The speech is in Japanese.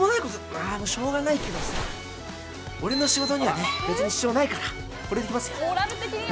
まあもうしょうがないけどさ俺の仕事にはね別に支障ないからこれで行きますよ！